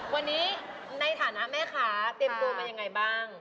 วันนี้ในฐานะแม่ค้าเตรียมตัวมายังไงบ้าง